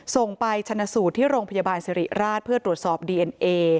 ส่งไปชนะสูตรที่โรงพยาบาลสิริราชเพื่อตรวจสอบดีเอ็นเอ